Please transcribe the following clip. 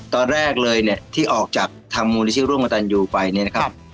ตอนแรกเลยเนี่ยที่ออกจากทางมูลนิธิร่วมกับตันยูไปเนี่ยนะครับ